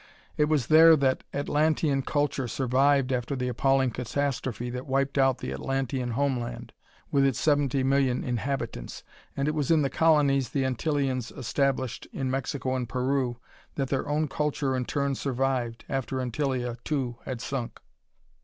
It was there that Atlantean culture survived after the appalling catastrophe that wiped out the Atlantean homeland, with its seventy million inhabitants, and it was in the colonies the Antillians established in Mexico and Peru, that their own culture in turn survived, after Antillia too had sunk."